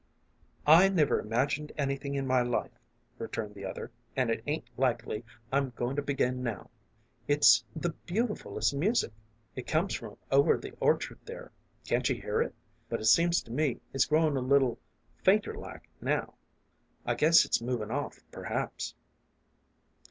"I never imagined anything in my life," returned the other, " an' it ain't likely I'm goin' to begin now. It's the beautifutest music. It comes from over the orchard there. Can't you hear it? But it seems to me it's growin' a little fainter like now. I guess it's movin' off, perhaps."